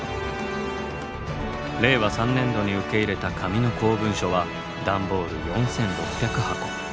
令和３年度に受け入れた紙の公文書は段ボール